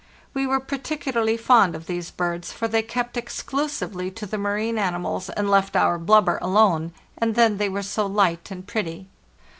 We were particularly fond of these birds, LAND AT LAST 409 for they kept exclusively to the marine animals and left our blubber alone; and then they were so light and pretty.